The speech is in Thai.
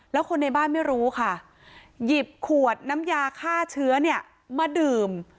แล้วคนในบ้านไม่รู้ค่ะหยิบขวดน้ำยาฆ่าเชื้อเนี่ยมาดื่ม